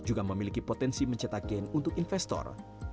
juga memiliki potensi mencetak gain untuk investor